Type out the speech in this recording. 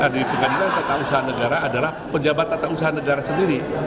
di pengadilan tata usaha negara adalah pejabat tata usaha negara sendiri